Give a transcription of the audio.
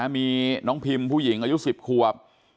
มีน้องพิมผู้หญิงอายุ๑๐ขวบ